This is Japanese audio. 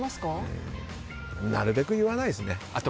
なるべく言わないですね。